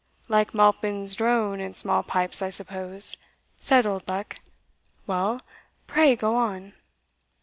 "Like MAlpin's drone and small pipes, I suppose," said Oldbuck. "Well? Pray go on."